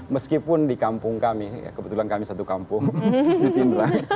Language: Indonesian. meskipun di kampung kami kebetulan kami satu kampung di pindrang